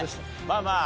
まあまあ。